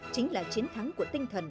chính là chiến thắng của tinh thần